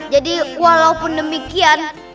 jadi walaupun demikian